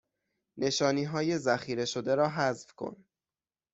نشانی های ذخیره شده را حذف کن